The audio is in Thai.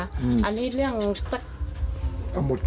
อันนี้เรื่องสัก